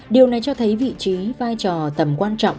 điều này cho thấy vị trí vai trò tầm quan trọng